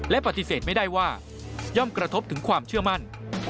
และปฏิเสธไม่ได้ว่าย่อมกระทบถึงความเชื่อมั่น